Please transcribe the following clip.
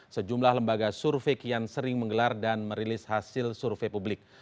sejumlah lembaga survei kian sering menggelar dan merilis hasil survei publik